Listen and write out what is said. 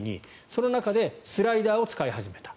その中でスライダーを使い始めた。